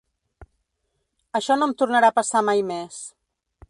Això no em tornarà a passar mai més.